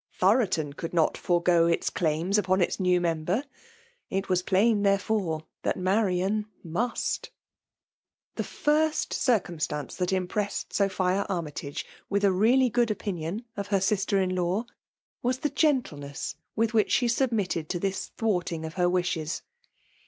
Thoroton soukL not forego its claim& upon its new mem ber ^it was plain, therefore, that Marian must4 The Jir^i circumstance that impressed Sophia "254 VBttAUB DOMIKATION. • Armytage with a really good opiiiioii of her 'rister in law was the gentleness with whidi she submitted to this thwarting of her wiriies.